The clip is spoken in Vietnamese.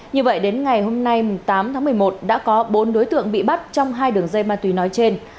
như vậy đến ngày hôm nay tám tháng một mươi một đã có bốn đối tượng bị bắt trong hai đường dây ma túy nói trên